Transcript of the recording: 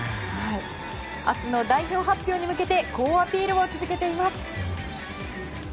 明日の代表発表に向けて好アピールを続けています。